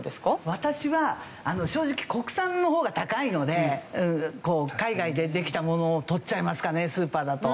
私は正直国産の方が高いので海外でできたものを取っちゃいますかねスーパーだと。